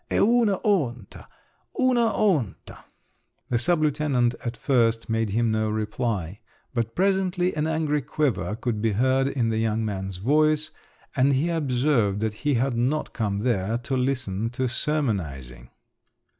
(E ouna onta, ouna onta!) The sub lieutenant at first made him no reply, but presently an angry quiver could be heard in the young man's voice, and he observed that he had not come there to listen to sermonising.